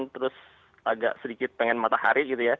terus agak sedikit pengen matahari